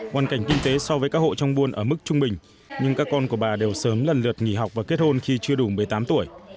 hoàn cảnh kinh tế so với các hộ trong buôn ở mức trung bình nhưng các con của bà đều sớm lần lượt nghỉ học và kết hôn khi chưa đủ một mươi tám tuổi